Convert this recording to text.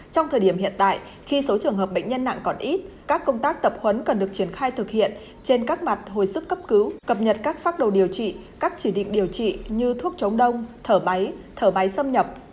trong thời điểm hiện tại khi số trường hợp bệnh nhân nặng còn ít các công tác tập huấn cần được triển khai thực hiện trên các mặt hồi sức cấp cứu cập nhật các phác đồ điều trị các chỉ định điều trị như thuốc chống đông thở máy thở máy xâm nhập